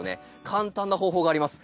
簡単な方法があります。